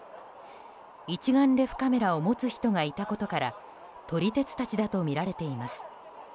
一眼レフカメラを持つ人がいたことから撮り鉄たちだとみられています。